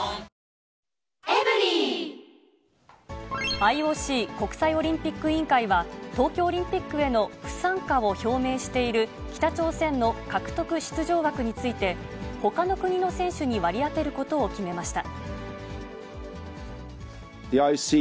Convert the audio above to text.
ＩＯＣ・国際オリンピック委員会は、東京オリンピックへの不参加を表明している北朝鮮の獲得出場枠について、ほかの国の選手に割り当てることを決めました。